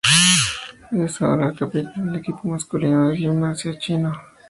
Es ahora el capitán del equipo masculino de gimnasia chino